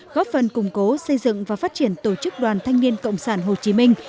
góp phần củng cố xây dựng và phát triển tổ chức đoàn thanh niên cộng sản hồ chí minh